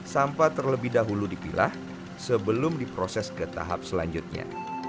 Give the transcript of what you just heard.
sampah terlebih dahulu dipilah sebelum diproses ke tahap selanjutnya